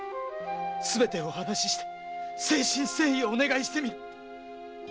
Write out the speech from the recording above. すべてをお話しして誠心誠意お願いしてみる。